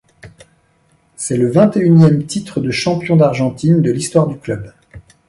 C'est le vingt-et-unième titre de champion d'Argentine de l'histoire du club.